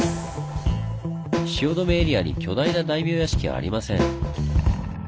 汐留エリアに巨大な大名屋敷はありません。